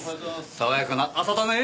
爽やかな朝だね！